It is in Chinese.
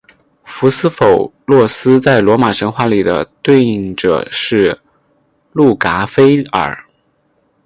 福斯否洛斯在罗马神话里的对应者是路喀斐耳。